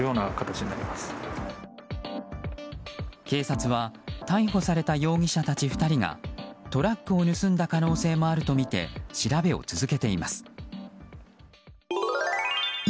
警察は逮捕された容疑者たち２人がトラックを盗んだ可能性もあるとみて調べを続けています。